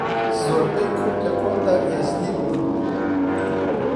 زۆربەی کورد لە کۆندا ئێزدی بوون.